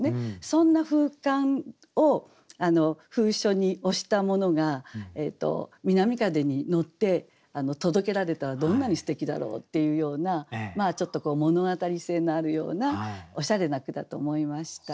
そんな封緘を封書に押したものが南風に乗って届けられたらどんなにすてきだろうっていうようなちょっと物語性のあるようなおしゃれな句だと思いました。